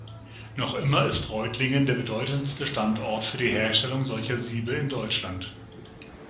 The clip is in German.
Noch immer ist Reutlingen der bedeutendste Standort für die Herstellung solcher Siebe in Deutschland.